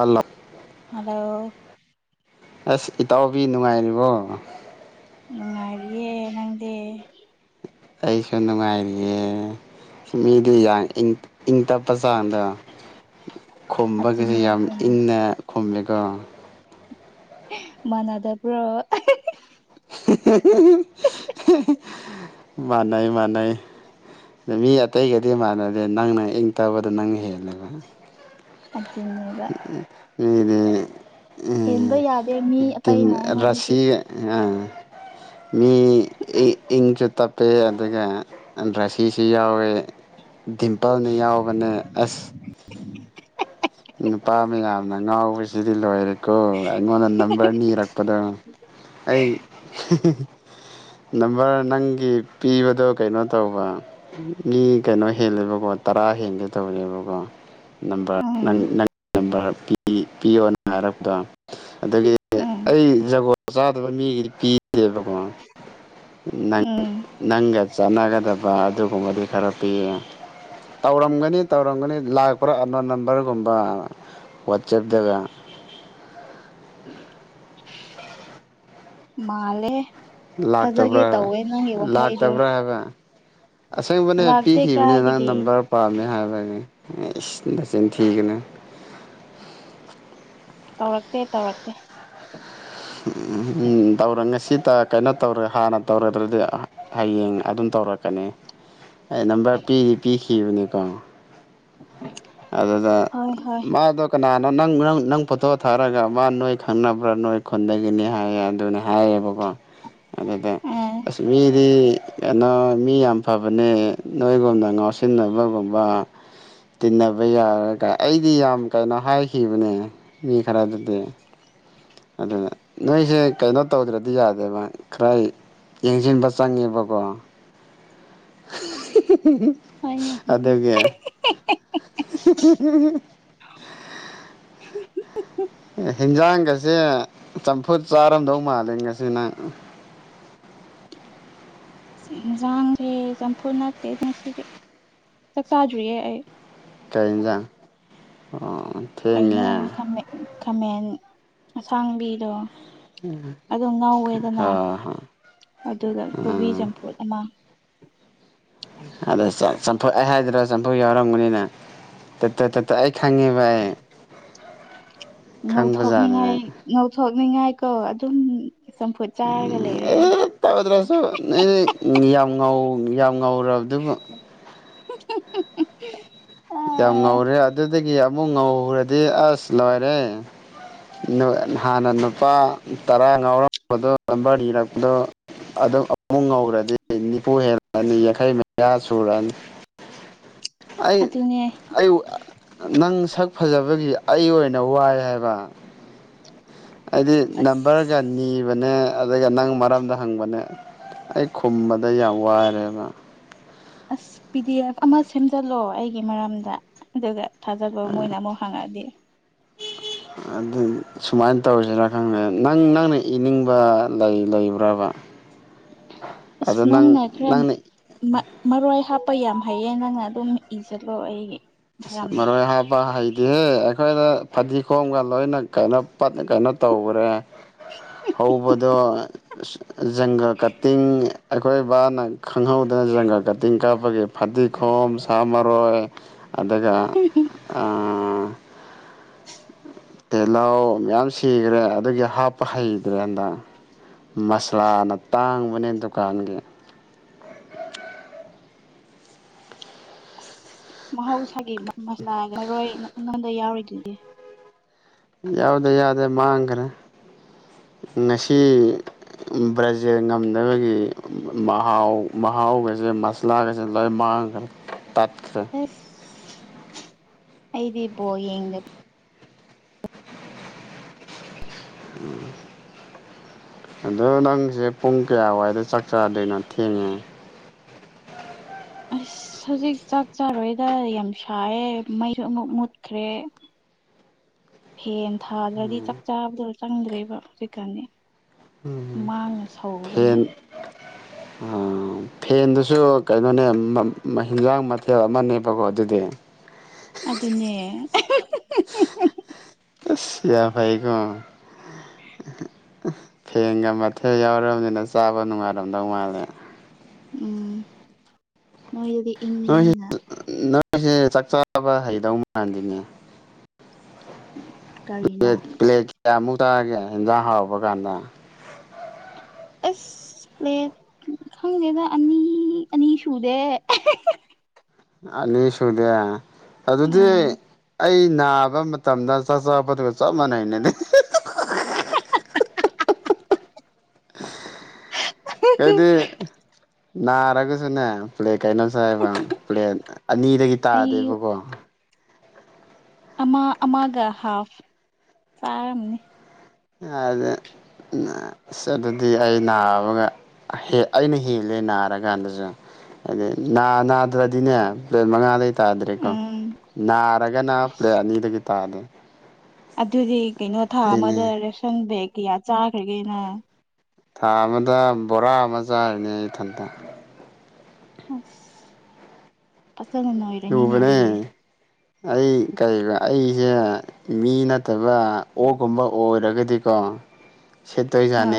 ꯑꯂ ꯍꯜꯂꯣ ꯑꯁ ꯏꯇꯥꯎꯕꯤ ꯅꯨꯡꯉꯥꯏꯔꯤꯕꯣ ꯅꯨꯡꯉꯥꯏꯔꯤꯌꯦ ꯅꯪꯗꯦ ꯑꯩꯁꯨ ꯅꯨꯡꯉꯥꯏꯔꯤꯌꯦ ꯃꯤꯗꯤ ꯌꯥꯝꯪ ꯏꯪ ꯇꯞꯄ ꯆꯥꯡꯗ ꯈꯣꯝꯕꯒꯁꯦ ꯑꯗꯨꯅꯦ ꯌꯥꯝ ꯑꯗꯨꯅꯦ ꯏꯪꯅ ꯈꯣꯝꯃꯦ ꯠꯇ ꯃꯥꯅꯗ ꯄꯨ꯭ꯔꯣ ꯃꯅꯥꯏ ꯃꯅꯥ ꯑꯗ ꯃꯤ ꯑꯇꯩꯒꯗꯤ ꯃꯥꯟꯅꯗꯦ ꯅꯪꯅ ꯏꯪ ꯇꯕꯗ ꯅꯪꯅ ꯍꯦꯜꯂꯦꯕ ꯑꯗꯨ ꯑꯗꯨꯅꯦꯕ ꯍꯦꯟꯕ ꯌꯥꯗꯦ ꯃꯤ ꯗꯤ ꯑꯇꯩꯅ ꯑꯩꯉꯣꯟꯗꯒꯤ ꯔꯁꯤꯒ ꯑꯥ ꯃꯤ ꯏ ꯇꯞꯄꯦ ꯑꯗꯨꯒ ꯗ꯭ꯔꯥꯁꯤꯁꯨ ꯌꯥꯎꯋꯦ ꯗꯤꯝꯄꯜꯅꯤ ꯌꯥꯎ ꯀ ꯑꯦꯁ ꯅꯨꯄꯥ ꯃꯌꯥꯝꯅ ꯉꯥꯎꯕꯁꯤꯗꯤ ꯂꯣꯏꯔꯦ ꯀꯣ ꯑꯩꯉꯣꯟꯗ ꯅꯝꯕꯔ ꯅꯤꯔꯛꯄꯗꯣ ꯑꯩ ꯅꯝꯕꯔ ꯅꯪꯒꯤ ꯄꯤꯕꯗꯣ ꯀꯩꯅꯣ ꯇꯧꯕ ꯃꯤ ꯀꯩꯅꯣ ꯍꯦꯜꯂꯦꯕꯀꯣ ꯇꯔꯥ ꯍꯦꯟꯒꯦ ꯇꯧꯔꯤꯕꯀꯣ ꯅꯝꯕꯔ ꯎꯝ ꯅꯪ ꯅꯪ ꯅꯝꯕꯔ ꯄꯤꯌꯣ ꯅꯪ ꯍꯥꯏꯔꯛꯄꯗꯣ ꯑꯗꯒꯤꯗꯤ ꯎꯝ ꯑꯩ ꯖꯒꯣ ꯆꯥꯗꯕ ꯃꯤꯒꯤꯗꯤ ꯄꯤ ꯪ ꯎꯝ ꯅꯪ ꯆꯥꯟꯅꯒꯗꯕ ꯑꯗꯨꯒꯨꯝꯕꯗꯤ ꯈꯔ ꯄꯤꯌꯦ ꯇꯧꯔꯝꯒꯅꯤ ꯇꯧꯔꯝꯒꯅꯤ ꯂꯥꯛꯄ꯭ꯔꯥꯅ ꯔꯒꯨꯝꯕ ꯋꯥꯆꯞꯇꯒ ꯃꯥꯂꯦ ꯂꯥꯛ ꯇꯕ꯭ꯔꯕꯦ ꯂꯥꯛ ꯋꯥꯍꯩꯗꯣ ꯇꯕ꯭ꯔ ꯍꯕꯦ ꯑꯁꯪꯕꯅꯦ ꯂꯥꯛꯇꯦ ꯄꯤꯈꯤꯕꯅꯤ ꯅꯪ ꯀꯥꯏꯗꯒꯤ ꯅꯝꯕꯔ ꯄꯥꯝꯃꯦ ꯍꯥꯏꯕꯅꯤ ꯁꯦꯡꯅꯤ ꯊꯤꯀꯅꯦ ꯇꯧꯔꯛꯇꯦ ꯇꯧꯔꯛꯇꯦ ꯇꯧꯔꯒꯁꯤꯠ ꯇ ꯀꯩꯅꯣ ꯇꯧꯔꯦ ꯍꯥꯟꯅ ꯇꯧꯔꯦꯗ꯭ꯔꯗꯤ ꯍꯌꯦꯡ ꯑꯗꯨꯝ ꯇꯧꯔꯛꯀꯅꯤ ꯑꯩ ꯅꯝꯕꯔ ꯄꯤꯗꯤ ꯄꯤꯈꯤꯕꯅꯤꯀꯣ ꯑꯗꯨꯗ ꯍꯣꯏ ꯍꯣꯏ ꯃꯥꯗ ꯀꯅꯥ ꯅ ꯅꯪ ꯅꯪ ꯅꯪ ꯄꯣꯇꯣ ꯊꯥꯔꯒ ꯃꯥ ꯅꯣꯏ ꯈꯪꯅꯕ꯭ꯔꯥ ꯅꯣꯏ ꯈꯨꯟꯗꯒꯤꯅꯤ ꯍꯥꯏꯌꯦ ꯑꯗꯨꯅꯤ ꯍꯥꯏꯌꯦꯕꯀꯣ ꯑꯗ ꯑ ꯑꯗꯨ ꯑꯥ ꯑꯁꯃꯤꯗꯤ ꯀꯩꯅꯣ ꯃꯤ ꯌꯥꯝ ꯐꯕꯅꯦ ꯅꯣꯏꯒꯨꯝꯅ ꯉꯥꯎꯁꯤꯟꯅꯕꯒꯨꯝꯕ ꯇꯤꯟꯅꯕ ꯌꯥꯔꯒ ꯑꯩꯗꯤ ꯌꯥꯝ ꯀꯩꯅꯣ ꯍꯥꯏꯈꯤꯕꯅꯦ ꯃꯤ ꯈꯔꯗꯨꯗꯤ ꯑꯗꯨꯅ ꯅꯣꯏꯁꯦ ꯀꯩꯅꯣ ꯇꯧꯗ꯭ꯔꯗꯤ ꯌꯥꯗꯕ ꯈꯔ ꯌꯦꯡꯁꯤꯟꯕ ꯆꯪꯉꯦꯕꯀꯣ ꯍꯣꯏꯅꯦ ꯍꯣꯏꯅꯦ ꯑꯗꯨꯗꯒꯤ [unintelligible] ꯍꯤꯟꯖꯥꯡꯒꯁꯦ ꯆꯝꯐꯨꯠ ꯆꯥꯔꯝꯗꯧ ꯃꯥꯜꯂꯤ ꯉꯁꯤ ꯅꯪ ꯍꯦꯟꯁꯥꯡꯁꯦ ꯆꯝꯐꯨꯠ ꯅꯠꯇꯦ ꯉꯁꯤꯗꯤ ꯆꯥꯛ ꯆꯥꯗ꯭ꯔꯤꯌꯦ ꯑꯩ ꯀꯩ ꯏꯟꯖꯥꯡ ꯑꯣ ꯀꯩꯅꯣ ꯊꯦꯡꯉꯦꯍꯦ ꯈꯥꯃꯦ ꯈꯥꯃꯦꯟ ꯑꯁꯥꯡꯕꯤꯗꯣ ꯑꯗꯨꯝ ꯉꯧꯋꯦꯗꯅ ꯍꯣꯏ ꯍꯣꯏ ꯑꯗꯨꯒ ꯀꯣꯕꯤ ꯎꯝ ꯆꯝꯐꯨꯠ ꯑꯃ ꯑꯗ ꯆꯝ ꯆꯝꯐꯨꯠ ꯑꯩ ꯍꯥꯏꯗ꯭ꯔꯥ ꯆꯝꯐꯨꯠ ꯌꯥꯎꯔꯝꯒꯅꯤꯅ ꯇꫭ ꯇꫭ ꯇꫭ ꯇꫭ ꯑꯩ ꯈꯪꯉꯦꯕ ꯑꯩ [inaudible] ꯈꯪꯕꯖꯥꯠꯅꯦ ꯉꯧꯊꯣꯛꯅꯤꯡꯉꯥꯏ ꯉꯧꯊꯣꯛꯅꯤꯡꯉꯥꯏ ꯀꯣ ꯑꯗꯨꯝ ꯆꯝꯐꯨꯠ ꯆꯥꯔꯒ ꯂꯩꯔꯦ ꯑꯦ ꯑꯩ ꯇꯧꯗ꯭ꯔꯁꯨ ꯅꯦ ꯌꯥꯝ ꯉꯧ ꯌꯥꯝ ꯉꯧꯔꯕꯗꯨꯕꯨ [inaudible] ꯌꯥꯝ ꯑꯥ ꯉꯧꯔꯦ ꯑꯗꯨꯗꯒꯤ ꯑꯃꯨꯛ ꯉꯧ꯭ꯔꯗꯤ ꯑꯁ ꯂꯣꯏꯔꯦ ꯅꯥꯏ ꯍꯥꯟꯅ ꯅꯨꯄꯥ ꯇꯔꯥ ꯉꯥꯎꯔꯝꯕꯗꯣ ꯅꯝꯕꯔ ꯅꯤꯔꯛꯄꯗꯣ ꯑꯗꯨꯝ ꯑꯃꯨꯛ ꯉꯧꯔꯗꯤ ꯅꯤꯐꯨ ꯍꯦꯜꯂꯅꯤ ꯌꯥꯡꯈꯩ ꯃꯌꯥ ꯁꯨꯔꯅꯤ ꯑꯩ ꯑꯗꯨꯅꯦ ꯑꯋꯨ ꯑ ꯅꯪ ꯁꯛ ꯐꯖꯕꯒꯤ ꯑꯩ ꯑꯣꯏꯅ ꯋꯥꯏ ꯍꯥꯏꯕ ꯍꯥꯏꯗꯤ ꯑꯁ ꯅꯝꯕꯔꯒ ꯅꯤꯕꯅꯦ ꯑꯗꯨꯒ ꯅꯪ ꯃꯔꯝꯗ ꯍꯪꯕꯅꯦ ꯑꯩ ꯈꯨꯝꯕꯗ ꯌꯥꯝ ꯋꯥꯔꯦꯕ ꯑꯁ ꯄꯤ ꯗꯤ ꯑꯦꯐ ꯑꯃ ꯁꯦꯝꯖꯤꯜꯂꯑꯣ ꯑꯩꯒꯤ ꯃꯔꯝꯗ ꯑꯗꯨꯒ ꯊꯥꯖꯒꯣ ꯃꯣꯏꯅꯥ ꯃꯨꯛ ꯍꯪꯉꯥꯗꯤ [inaudible] ꯑꯗꯨ ꯁꯨꯃꯥꯏꯅ ꯇꯧꯁꯤꯔꯥ ꯈꯪꯗꯦ ꯅꯪ ꯅꯪꯅ ꯏꯅꯤꯡꯕ ꯂꯩ ꯂꯩꯕ꯭ꯔꯕ [inaudible] ꯑꯤꯁ ꯑꯗꯣ ꯅꯪ ꯅꯪꯅ ꯈꯔ ꯅꯪꯅ ꯃꯥ ꯃꯔꯣꯏ ꯍꯥꯞ ꯄ ꯌꯥꯝ ꯍꯩꯌꯦ ꯅꯪꯅ ꯑꯗꯨꯝ ꯏꯖꯜꯂꯣ ꯑꯩꯒꯤ ꯑꯁ ꯃꯔꯝꯗ ꯃꯔꫭꯏ ꯍꯥꯞꯕ ꯍꯩ ꯗꯤꯍꯦ ꯑꯩꯈꯣꯏꯅ ꯐꯗꯤꯒꯣꯝꯒ ꯂꯣꯏꯅ ꯀꯩꯅꯣ ꯄꯠ ꯀꯩꯅꯣ ꯇꯧꯈ꯭ꯔꯦ ꯍꯧꯕꯗꯣ ꯖꯪꯒꯜ ꯀꯇꯤꯡ ꯑꯩꯈꯣꯏ ꯕꯥꯅ ꯈꯪꯍꯧꯗꯅ ꯖꯪꯒꯜ ꯀꯇꯤꯡ ꯀꯥꯞꯄꯒꯤ ꯐꯗꯤꯈꯣꯝ ꯁꯥ ꯃꯔꯣꯏ ꯑꯗꯨꯒ‌ ꯑꯥ ꯇꯤꯜꯍꯧ ꯃꯌꯥꯝ ꯁꯤꯈ꯭ꯔꯦ ꯑꯗꯨꯒꯤ ꯍꯥꯞꯄ ꯍꯩꯇ꯭ꯔꯦ ꯍꯟꯗꯛ ꯃꯁꯂꯥꯅ ꯇꯥꯡꯕꯅꯦ ꯗꯨꯀꯥꯟꯒꯤ ꯃꯍꯧꯁꯥꯒꯤ ꯃꯁꯂꯥ ꯃꯔꯣꯏ ꯉꯣꯟꯗ ꯌꯥꯎꯔꯤꯗꯨꯗꯤ ꯌꯥꯎꯗꯦ ꯌꯥꯎꯗꯦ ꯃꯥꯡꯈ꯭ꯔꯦ ꯉꯁꯤ ꯕ꯭ꯔꯖ ꯉꯝꯗꯕꯒꯤ ꯃꯍꯥꯎ ꯃꯍꯥꯎꯒꯁꯦ ꯃꯁꯂꯥꯒꯁꯦ ꯂꫭꯏ ꯃꯥꯡꯈ꯭ꯔꯦ ꯇꯠꯈ꯭ꯔꯦ ꯑꯁ ꯑꯩꯗꯤ ꯕꯣꯜ ꯌꯦꯡꯗ ꯎꯝ ꯑꯗꯣ ꯅꯪꯁꯦ ꯄꯨꯡ ꯀꯌꯥ ꯋꯥꯏꯗ ꯆꯥꯛ ꯆꯗꯣꯏꯅꯣ ꯊꯦꯡꯉꯦ ꯑꯁ ꯍꯧꯖꯤꯛ ꯆꯥꯛ ꯆꯥꯔꯣꯏꯗ ꯌꯥꯝ ꯁꯥꯏꯌꯦ ꯃꯩꯁꯨ ꯑꯃꯨꯛ ꯃꯨꯠꯈ꯭ꯔꯦ [inaudible] ꯐꯦꯟ ꯊꯥꯗ꯭ꯔꯗꯤ ꯆꯥꯛ ꯆꯥꯕꯗꯨ ꯆꯪꯗ꯭ꯔꯦꯕ ꯍꯧꯖꯤꯛꯀꯥꯟꯗꯤ ꯍꯩꯃꯥꯥꯡꯅ ꯁꯧꯕꯅꯦ ꯑ ꯐꯦꯟꯗꯨꯁꯨ ꯀꯩꯅꯣꯅꯦ ꯃꯃ ꯍꯤꯟꯖꯥꯡ ꯃꯊꯦꯜ ꯑꯃꯅꯦꯕꯀꯣ ꯑꯗꯨꯗꯤ [inaudible] ꯑꯗꯨꯅꯦ ꯁꯤ ꯌꯥꯝ ꯐꯩꯀꫭ ꯐꯦꯟꯒ ꯃꯊꯦꯜ ꯌꯥꯎꯔꯕꯅꯤꯅ ꯆꯥꯕ ꯅꯨꯡꯉꯥꯏꯔꯝꯗꯧ ꯃꯥꯜꯂꯦ ꯎꯝ ꯅꯣꯏꯗꯗꯤ ꯏꯪꯕꯅꯤꯅ ꯑꯩꯣꯏꯁꯦ ꯆꯥꯛ ꯆꯥꯕ ꯍꯩꯗꯧ ꯃꯥꯟꯗꯅꯦ ꯄ꯭ꯂ ꯀꯔꯤꯅꯣ ꯄ꯭ꯂꯦ ꯀꯃꯨ ꯆꯇꯥꯦ ꯍꯟꯖꯥꯡ ꯍꯥꯎꯄ ꯀꯥꯟꯗ ꯑꯁ ꯄ꯭ꯂ ꯈꯪꯗꯦꯗ ꯑꯅꯤ ꯑꯅꯤ ꯁꯨꯔꯦ ꯑꯅꯤ ꯁꯨꯗꯦ ꯑꯗꯨꯗꯤ ꯎꯝ ꯑꯩ ꯅꯥꯕ ꯃꯇꯝꯗ ꯆꯥꯛ ꯆꯕꯗꯨꯒ ꯆꯞ ꯃꯥꯟꯅꯅꯅꯤ ꯑꯩꯩꯗꯤ ꯅꯥꯔꯒꯁꯨꯅꯦ ꯄ꯭ꯂꯦꯛ ꯀꯩꯅꯣꯁ ꯍꯥꯏꯕ ꯄ꯭ꯂꯦꯟ ꯑꯅꯤꯗꯒꯤ ꯑꯩ ꯇꯥꯗꯦꯕꯀꯣ ꯑꯃ ꯑꯃꯒ ꯍꯥꯐ ꯆꯥꯔꯝꯅꯤ ꯍꯥꯏꯗ ꯑꯗꯨꯗꯤ ꯑꯩ ꯅꯥꯕꯒ ꯑꯩꯅ ꯍꯦꯜꯂꯦ ꯅꯥꯔꯀꯥꯟꯗꯁꯨ ꯑꯗꯤꯩ ꯅꯥ ꯅꯥꯗ꯭ꯔꯗꯤꯅꯦ ꯄꯦꯠ ꯃꯉꯥ ꯂꯩ ꯇꯥꯗ꯭ꯔꯦꯀꯣ ꯎꯝ ꯅꯥꯔꯒꯅ ꯄ꯭ꯂꯦ ꯑꯅꯤꯗꯒꯤ ꯇꯥꯗꯦ ꯑꯗꯨꯗꯤ ꯀꯩꯅꯣ ꯊꯥ ꯑꯃꯗ ꯑꯗꯨꯏꯅꯦ ꯔꯦꯁꯟ ꯕꯦꯒ ꯀꯌꯥ ꯆꯥꯈ꯭ꯔꯒꯦꯅ ꯊꯥ ꯑꯃꯗ ꯕꯣꯔꯥ ꯑꯃ ꯆꯥꯔꯤꯅꯤ ꯑꯩꯊꯟꯊꯥ ꯑꯁ ꯐꯖꯅ ꯅꯣꯏꯔꯅꯤꯅꯦ ꯑꯗꯨꯗꯤ ꯂꯨꯕꯅꯦ ꯑꯩ ꯀꯩ ꯑꯩꯁꯦ ꯃꯤ ꯅꯠꯇꯕ ꯑꯣꯛꯒꯨꯝꯕ ꯑꯣꯏꯔꯒꯗꯤꯀꯣ [unintelligible] ꯁꯤ ꯇꯣꯏ ꯆꯦꯁ ꯍꯣꯏ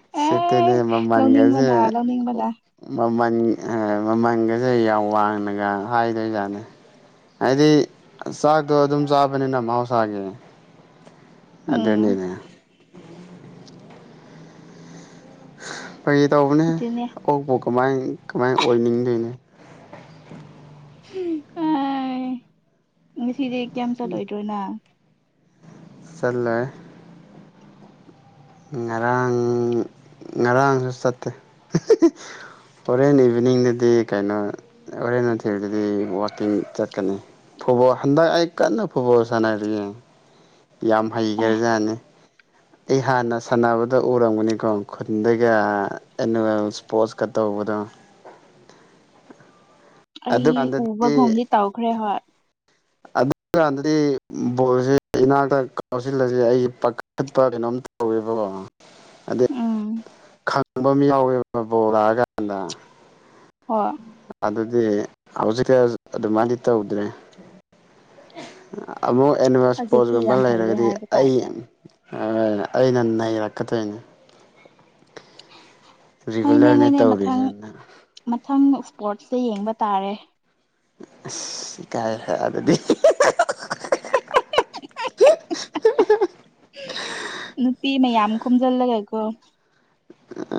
ꯑꯦ ꯁꯤꯇꯅꯦ ꯑꯃ ꯃꯥꯡꯒꯦꯁꯦ ꯂꯧꯅꯤꯡꯕꯅ ꯂꯧꯅꯤꯡꯕꯅ ꯃꯃꯜ ꯃꯃꯜꯒꯁꯦ ꯌꯥꯝ ꯋꯥꯡꯅꯒ ꯍꯥꯏꯗꯣꯏꯖꯥꯠꯅꯤ ꯍꯥꯏꯗꯤ ꯆꯥꯛꯇꯣ ꯑꯗꯨꯝ ꯆꯥꯕꯅꯤꯅ ꯃꯍꯧꯁꯥꯒꯤ ꯑꯗꯨꯗ ꯎꯝ ꯅꯩꯅꯅꯦ ꯐꯩ ꯇꯧꯕꯅꯦ ꯑꯗꯨꯅꯦ ꯑꯣꯛ ꯄꯣꯛ ꯀꯃꯥꯏ ꯀꯃꯥꯏ ꯑꯣꯏꯅꯤꯡꯗꯣꯏꯅꯦ ꯑ ꯉꯁꯤꯗꯤ ꯀꯌꯥꯝ ꯆꯠꯂꯣꯏꯗ꯭ꯔꯣꯅ ꯆꯠꯦ ꯉꯔꯥꯡ ꯉꯔꯥꯡꯁꯨ ꯆꯠꯇꯦ ꯍꯣꯔꯦꯟ ꯏꯚꯤꯅꯤꯡꯗꯗꯤ ꯀꯩꯅꯣ ꯑꯔꯦꯅꯦꯔꯤ ꯆꯠꯀꯅꯤ ꯐꯨꯠꯕꯣꯜ ꯍꯟꯗꯛ ꯑꯩ ꯀꯟꯅ ꯐꯨꯠꯕꯣꯜ ꯁꯥꯟꯅꯔꯤꯌꯦ ꯌꯥꯝ ꯑꯦ ꯍꯩꯈꯔꯦꯖꯥꯅꯤ ꯑꯩ ꯍꯥꯟꯅ ꯁꯥꯟꯅꯕꯗ ꯎꯔꯝꯒꯅꯤꯀꯣ ꯈꯨꯟꯒ ꯑꯦꯅꯨꯋꯦꯜ ꯏꯁꯄꯣꯔꯠꯁ ꯈꯛꯇ ꯇꯧꯕꯗ ꯑꯩ ꯎꯕꯒꯨꯝꯗꯤ ꯇꯧꯈ꯭ꯔꯦ ꯍꯣꯏ ꯑꯗꯨꯀꯥꯟꯗꯗꯤ ꯕꯣꯜꯁꯦ ꯏꯅꯥꯛꯇ ꯀꯥꯎꯁꯤꯜꯂꯁ ꯑꯩꯒꯤ ꯄꯥꯈꯠꯄ ꯀꯩꯅꯣꯝ ꯀꯕꯣ ꯑꯗꯩ ꯎꯝ ꯈꯪꯕ ꯑꯃ ꯌꯥꯎꯋꯦꯕ ꯕꯣꯔꯛꯑꯀꯥꯟꯗ ꯍꯣꯏ ꯗꯤ ꯍꯧꯖꯤꯛꯛꯇ ꯑꯗꯨꯃꯥꯏꯅꯗꯤ ꯇꯧꯗ꯭ꯔꯦ ꯑꯃꯨꯛ ꯑꯦꯅꯤꯚꯁ ꯍꯧꯖꯤꯛꯇꯤ ꯌꯥꯝ ꯄꯣꯁꯀꯨꯝꯕ ꯍꯩꯔꯦ ꯂꯩꯔꯒꯗꯤ ꯍꯥꯏꯕ ꯑꯩ ꯇꯥꯏꯞꯇ ꯍ ꯑꯩꯅ ꯅꯩꯔꯛꯀꯗꯣꯏꯅꯦ ꯍꯣꯏꯅꯦ ꯔꯤꯒꯨꯂꯔꯅꯦ ꯍꯣꯏꯅꯦ ꯃꯊꯪ ꯇꯧꯔꯤꯁꯦꯅ ꯃꯊꯪ ꯏꯁꯄꯣꯔꯠꯁꯇ ꯌꯦꯡꯕ ꯇꯥꯔꯦ ꯑ ꯀꯥꯏ ꯑꯗꯨꯗꯤ ꯍ ꯅꯨꯄꯤ ꯃ ꯑ ꯀꯝ ꯆꯜꯂꯒꯥꯏꯀ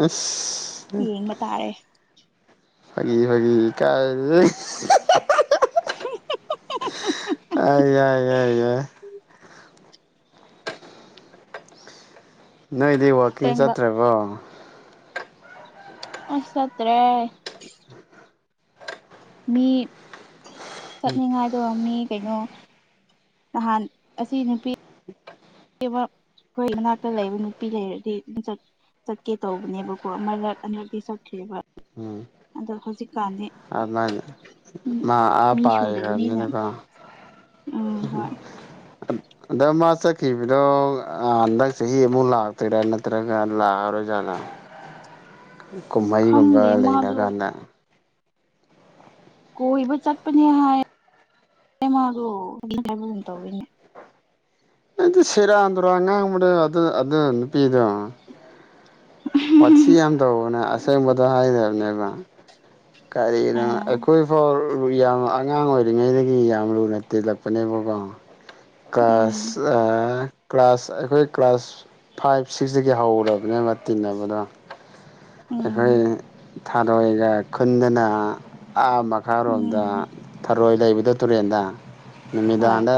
ꯑꯁ ꯌꯦꯡꯕ ꯇꯥꯔꯦ ꯐꯒꯤ ꯐꯒꯤ ꯀ ꯑ ꯌꯥꯏ ꯌꯥꯏ ꯌꯥꯏ ꯅꯣꯏꯗꯤ ꯋꯥꯛꯀꯤꯡ ꯑꯁꯦꯡꯕ ꯆꯠꯇ꯭ꯔꯕꯣ ꯑ ꯆꯠꯇ꯭ꯔꯦ ꯃꯤ ꯆꯠꯅꯤꯡꯉꯥꯏꯗꯣ ꯃꯤ ꯀꯩꯅꯣ ꯅꯍꯥꯟ ꯑꯁꯤ ꯅꯨꯄꯤ ꯑꯩꯈꯣꯏ ꯃꯅꯥꯛꯇ ꯂꯩꯕ ꯅꯨꯄꯤ ꯂꯩꯔꯗꯤ ꯃꯤꯡꯆꯠ ꯆꯠꯀꯦ ꯇꯧꯕꯅꯦꯕꯀꯣ ꯑꯃꯔꯛ ꯑꯅꯔꯛꯀꯤ ꯆꯠꯈ꯭ꯔꯦꯕ ꯎꯝ ꯑꯗꯣ ꯍꯧꯖꯤꯛꯀꯥꯟꯗꯤ ꯑꯅꯤ ꯎꯝ ꯃꯥ ꯑ ꯃꯤ ꯄ ꯁꯨꯗꯕꯅꯤꯅ ꯈꯅ ꯀ ꯎꯝ ꯍꯣꯏ ꯎꯝ ꯑꯗ ꯃꯥ ꯆꯠꯈꯤꯕꯗꯣ ꯍꯟꯗꯛ ꯆꯍꯤ ꯑꯃꯨꯛ ꯂꯥꯛꯇꯣꯏꯔꯥ ꯅꯠꯇ꯭ꯔꯒ ꯂꯥꯛꯑꯔꯣꯏ ꯄꯨꯖꯥꯂ ꯀꯨꯝꯍꯩꯒꯨꯝꯕ ꯈꯪꯗꯦ ꯃꯥꯗꯣ ꯂꯩꯔꯀꯥꯟꯗ ꯀꯣꯏꯕ ꯆꯠꯄꯅꯦ ꯍꯥꯏ ꯃꯥꯗꯣ ꯍꯥꯏꯕ ꯑꯗꯨ ꯇꯧꯋꯤꯅꯦ ꯑꯗꯤ ꯁꯤꯦꯔꯥꯗꯨꯔꯣ ꯑꯉꯥꯡꯗ ꯑꯗꯨ ꯑꯗꯨ ꯅꯨꯄꯤꯗꯣ ꯑꯣꯠꯊ ꯌꯥꯝ ꯇꯧꯕꯅꯦ ꯑꯁꯦꯡꯕꯗ ꯍꯥꯏꯅꯦꯕꯅꯦꯕ ꯀꯔꯤꯒꯤ ꯑꯥ ꯑꯩꯈꯣꯏ ꯐ ꯌꯥꯝ ꯑꯉꯥꯡ ꯑꯣꯏ ꯄꯔꯤꯉꯩꯗꯒꯤ ꯌꯥꯝ ꯂꯨꯅ ꯎꯝ ꯇꯤꯜꯂꯛꯄꯅꯦꯕꯀꯣꯥꯁ ꯀ꯭ꯂꯥꯁ ꯑꯩꯈꯣꯏ ꯀ꯭ꯂꯥꯁ ꯐꯥꯏꯚ ꯁꯤꯛꯁꯇꯒꯤ ꯍꯧꯔꯕꯅꯦꯕ ꯇꯤꯟꯅꯕꯗꯣ ꯎꯝ ꯑꯩꯈꯣꯏ ꯊꯥꯔꯣꯏꯒ ꯈꯨꯟꯗꯅ ꯑꯥ ꯃꯈꯥꯔꯣꯝꯗ ꯎꯝ ꯊꯔꯣꯏ ꯂꯩꯕꯗ ꯇꯨꯔꯦꯟꯗ ꯍꯣꯏ ꯅꯨꯃꯤꯗꯥꯡꯗ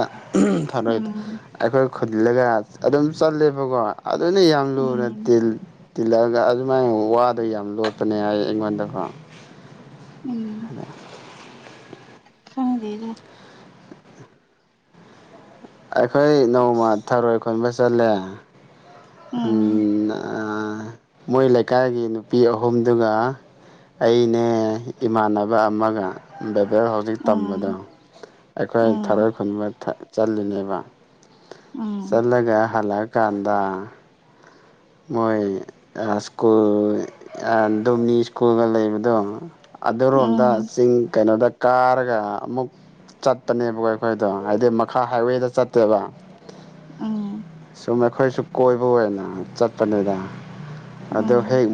ꯊꯔꯛꯏ ꯎꯝ ꯑꯩꯈꯣꯏ ꯈꯨꯜꯂꯒ ꯑꯗꯨꯝ ꯆꯠꯂꯦꯕꯀꯣ ꯑꯗꯨꯅ ꯌꯥꯝ ꯂꯨꯅ ꯎꯝ ꯇꯤꯟ ꯇꯤꯜꯂꯔꯒ ꯑꯗꯨꯃꯥꯏꯅ ꯋꯥꯗ ꯌꯥꯝ ꯂꯣꯠꯄꯅꯦ ꯍꯥꯏ ꯑꯩꯉꯣꯟꯗꯀꯣ ꯎꯝ ꯊꯪꯗꯗ ꯑꯩꯈꯣꯏ ꯅꯣꯡꯃ ꯊꯔꯣꯏ ꯈꯟꯕ ꯆꯠꯂꯦ ꯎꯝ ꯃꯣꯏ ꯂꯩꯀꯥꯏꯒꯤ ꯅꯨꯄꯤ ꯑꯍꯨꯝꯗꯨꯒ ꯑꯅꯦ ꯏꯃꯥꯟꯅꯕ ꯑꯃꯒ ꯍꯦꯛ ꯍꯧꯖꯤꯛ ꯇꯝꯕꯗꯣ ꯎꯝ ꯑꯩꯈꯣꯏ ꯎꯝ ꯊꯔꯣꯏ ꯈꯨꯟꯃꯛ ꯆꯜꯂꯤꯠꯂꯤꯅꯦꯕ ꯎꯝ ꯆꯂꯒ ꯍꯥꯂ ꯀꯥꯟꯗꯥ ꯃꯣꯏ ꯁꯀꯨꯜ ꯗꯣꯝꯅꯤ ꯁ꯭ꯀꯨꯜꯒ ꯂꯩꯕꯗꯣ ꯑꯗꯨꯔꯣꯝꯗ ꯎꯝ ꯆꯤꯡ ꯀꯩꯅꯣꯗ ꯀꯥꯔꯒ ꯑꯃꯨꯛ ꯆꯠꯄꯅꯦꯕꯀꯣ ꯑꯩꯈꯣꯏꯗꯣ ꯍꯥꯏꯗꯤ ꯃꯈꯥ ꯍꯥꯏꯋꯦꯗ ꯆꯠꯇꯦꯕ ꯑꯥ ꯑꯗꯨꯝ ꯑꯩꯈꯣꯏꯁꯨ ꯀꯣꯏꯕ ꯑꯣꯏꯅ ꯆꯠꯄꯅꯤꯗ ꯑꯗꯨ ꯎꯝ ꯍꯦꯛ